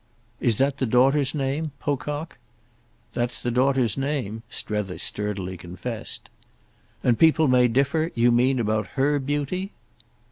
"Is that the daughter's name—'Pocock'?" "That's the daughter's name," Strether sturdily confessed. "And people may differ, you mean, about her beauty?"